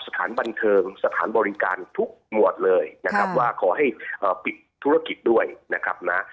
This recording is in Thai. สถานบันเทิงสถานบริการทุกหมวดเลยนะครับว่าขอให้ปิดธุรกิจด้วยนะครับนะ